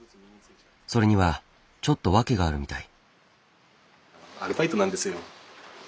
それにはちょっと訳があるみたい。